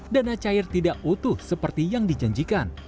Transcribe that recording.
dana cair tidak utuh seperti yang dijanjikan